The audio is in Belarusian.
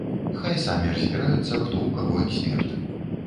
Хай самі разбіраюцца, хто ў каго эксперт.